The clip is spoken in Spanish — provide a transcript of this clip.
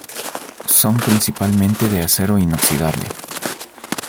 Son principalmente de acero inoxidable.